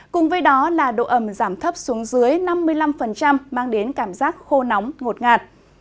cùng với đó là độ ẩm giảm thấp xuống dưới năm mươi năm mang đến cảm giác khô nóng ngột ngạt